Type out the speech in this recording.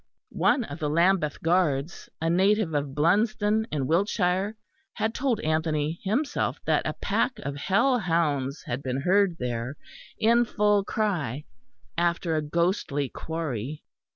One of the Lambeth guards, a native of Blunsdon, in Wiltshire, had told Anthony himself that a pack of hell hounds had been heard there, in full cry after a ghostly quarry.